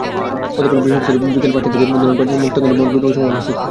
গতকাল বৃহস্পতিবার বিকেল পাঁচটার দিকে ধুনট বাজার মুক্তাঙ্গনে মতবিনিময় সভা অনুষ্ঠিত হয়।